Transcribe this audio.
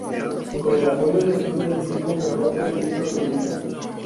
Con el apoyo del Club del Disco grabó tres discos solistas.